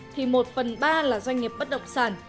thì một phần ba là doanh nghiệp bất động sản